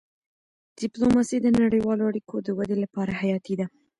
ډيپلوماسي د نړیوالو اړیکو د ودي لپاره حیاتي ده.